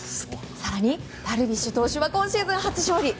更に、ダルビッシュ投手は今シーズン初勝利！